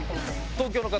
東京の方？